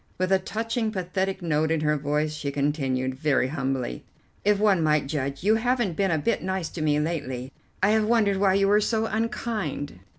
With a touching pathetic note in her voice she continued, very humbly, if one might judge, "You haven't been a bit nice to me lately. I have wondered why you were so unkind."